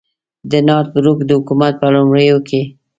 د نارت بروک د حکومت په لومړیو کې.